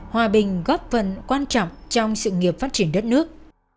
hòa bình góp phần quan trọng trong sự nghiệp phát triển đất nước